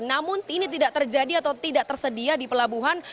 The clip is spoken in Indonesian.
namun ini tidak terjadi atau tidak tersedia di pelabuhan